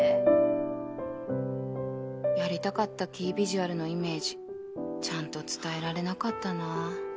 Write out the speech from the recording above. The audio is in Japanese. やりたかったキービジュアルのイメージちゃんと伝えられなかったな